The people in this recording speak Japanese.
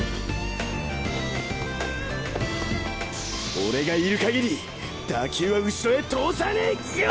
俺がいるかぎり打球は後ろへ通さねえよ！